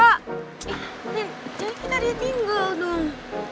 nih jangan kita ditinggal dong